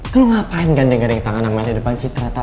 kan lo ngapain gading gading tangan mel di depan citra tak